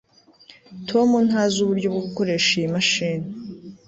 tom ntazi uburyo bwo gukoresha iyi mashini